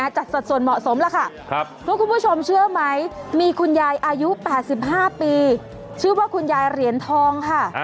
สัดส่วนเหมาะสมแล้วค่ะเพราะคุณผู้ชมเชื่อไหมมีคุณยายอายุ๘๕ปีชื่อว่าคุณยายเหรียญทองค่ะ